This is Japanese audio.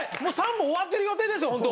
もう３本終わってる予定ですよ